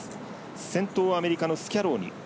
先頭はアメリカのスキャローニ。